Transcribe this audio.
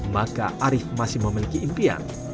maka arief masih memiliki impian